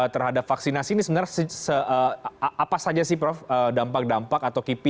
terhadap vaksinasi ini sebenarnya apa saja sih prof dampak dampak atau kipi